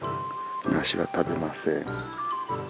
梨は食べません。